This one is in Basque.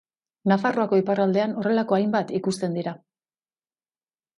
Nafarroako iparraldean horrelako hainbat ikusten dira.